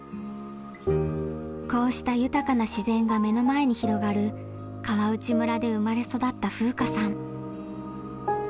こうした豊かな自然が目の前に広がる川内村で生まれ育った風夏さん。